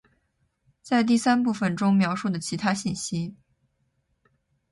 ·在第三部分中描述的其他信息。